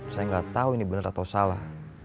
saya gak tau ini bener atau salah